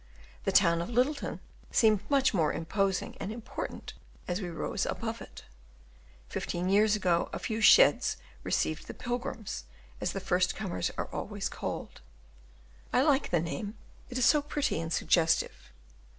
The town of Lyttleton seemed much more imposing and important as we rose above it: fifteen years ago a few sheds received the "Pilgrims," as the first comers are always called. I like the name; it is so pretty and suggestive.